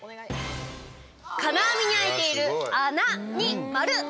金網に開いている穴に丸でした。